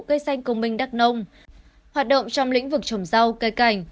cây xanh công minh đắk nông hoạt động trong lĩnh vực trồng rau cây cảnh